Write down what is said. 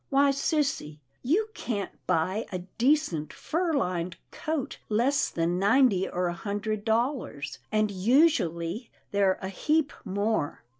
" Why sissy, you can't buy a decent fur lined coat less than ninety or a hundred dollars, and usually, they're a heap more."